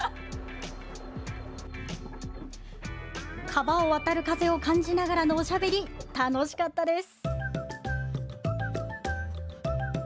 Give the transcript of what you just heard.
川を渡る風を感じながらのおしゃべり楽しかったです。